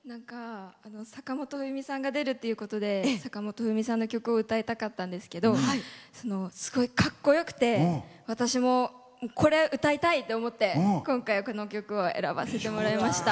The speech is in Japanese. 坂本冬美さんが出るっていうことで坂本冬美さんの曲を歌いたかったんですけどすごいかっこよくて私も、これを歌いたいと思って今回はこの曲を選ばせてもらいました。